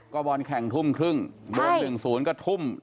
ก็บอลแข่งทุ่มครึ่งโดน๑๐ก็ทุ่ม